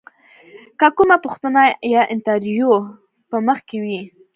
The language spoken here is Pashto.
که کومه پوښتنه یا انتریو په مخ کې وي.